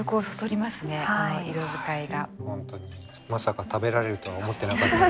本当にまさか食べられるとは思ってなかった。